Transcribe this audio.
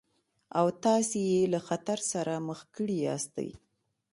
او تاسې يې له خطر سره مخ کړي ياستئ.